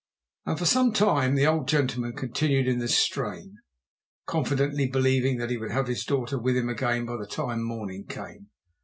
And for some time the old gentleman continued in this strain, confidently believing that he would have his daughter with him again by the time morning came.